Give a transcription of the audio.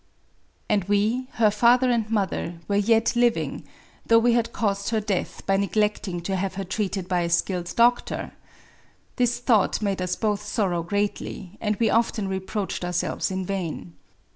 And we, her father and mother, were yet living — though we had caused her death by neglecting to have her treated by a skilled doctor ! This thought made us both sorrow greatly \ and we often reproached ourselves in vain.